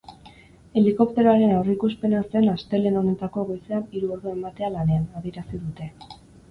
Helikopteroaren aurreikuspena zen astelehen honetako goizean hiru ordu ematea lanean, adierazi dute.